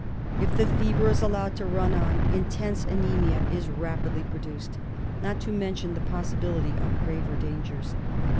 If the fever is allowed to run on intense anaemia is rapidly produced, not to mention the possibility of graver dangers.